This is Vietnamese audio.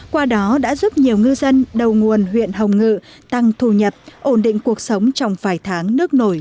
qua đó đã giúp nhiều ngư dân đầu nguồn huyện hồng ngự tăng thu nhập ổn định cuộc sống trong vài tháng nước nổi